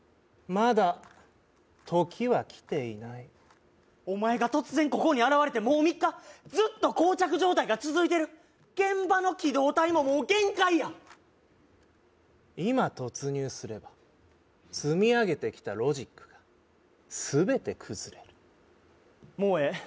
まだ時は来ていないお前が突然ここに現れてもう３日ずっとこう着状態が続いてる現場の機動隊ももう限界や今突入すれば積み上げてきたロジックが全て崩れるもうええ